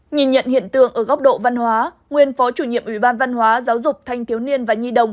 nhìn nhận hiện tượng ở góc độ văn hóa nguyên phó chủ nhiệm ủy ban văn hóa giáo dục thanh thiếu niên và nhi đồng